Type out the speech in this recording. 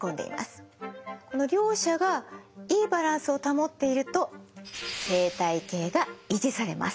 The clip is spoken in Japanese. この両者がいいバランスを保っていると生態系が維持されます。